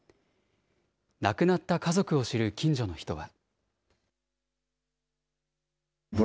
亡くなった家族を知る近所の人は。